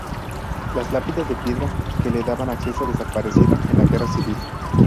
Las lápidas de piedra que le daban acceso desaparecieron en la Guerra Civil.